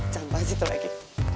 jangan bahas itu lagi